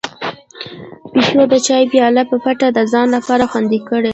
پيشو د چای پياله په پټه د ځان لپاره خوندي کړه.